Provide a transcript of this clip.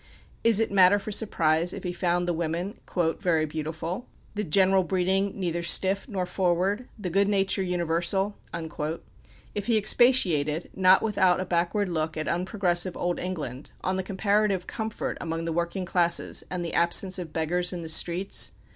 Is it matter for surprise if he found the women "very beautiful," the "general breeding neither stiff nor forward," "the good nature universal"; if he expatiated, not without a backward look at unprogressive Old England, on the comparative comfort among the working classes, and the absence of beggars in the streets?